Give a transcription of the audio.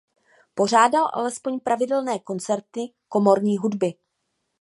Pořádal alespoň pravidelné koncerty komorní hudby.